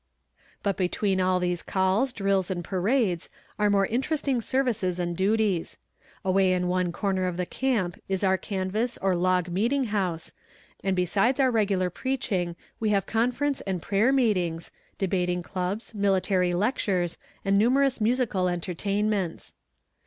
But between all these calls drills and parades are more interesting services and duties. Away in one corner of the camp is our canvas or log meeting house, and besides our regular preaching, we have conference and prayer meetings, debating clubs, military lectures, and numerous musical entertainments.